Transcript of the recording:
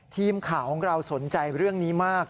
ทีมข่าวของเราสนใจเรื่องนี้มาก